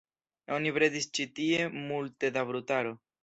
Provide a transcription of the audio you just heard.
Oni bredis ĉi tie multe da brutaro.